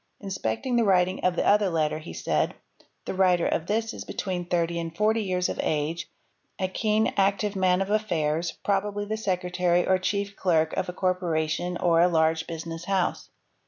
Inspecting the writing of the other letter he said, — "The writer of this is between thirty and forty years of age, a keen, active man of affairs, probably the secretary or chief clerk of a corpora tion or a large business house.